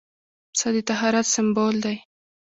پسه د طهارت سمبول دی.